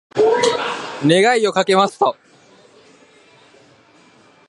願いをかけました。